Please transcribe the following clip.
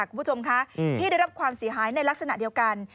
คุณผู้ชมคะที่ได้รับความเสียหายในลักษณะเดียวกัน